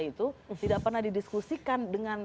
itu tidak pernah didiskusikan dengan